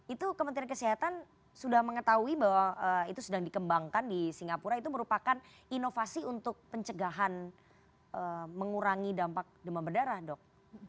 itu kementerian kesehatan sudah mengetahui bahwa itu sedang dikembangkan di singapura itu merupakan inovasi untuk pencegahan mengurangi dampak demam berdarah dok